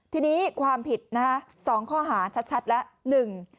ทีนี้ความผิดนะฮะ๒ข้อหาชัดแล้ว